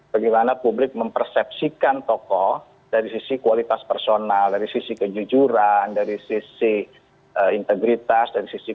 bagaimana publik mempersepsikan tokoh dari sisi kualitas personal dari sisi kejujuran dari sisi integritas dari sisi